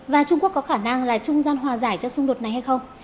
và trung quốc có khả năng là trung gian hòa giải cho xung đột này hay không